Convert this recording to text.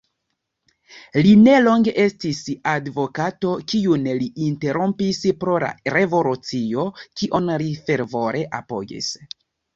Li nelonge estis advokato, kiun li interrompis pro la revolucio, kion li fervore apogis.